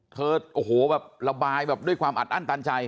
เธอโอ้โหแบบระบายแบบด้วยความอัดอั้นตันใจ